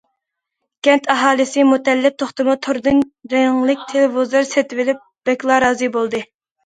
كەنت ئاھالىسى مۇتەللىپ توختىمۇ توردىن رەڭلىك تېلېۋىزور سېتىۋېلىپ، بەكلا رازى بولدى.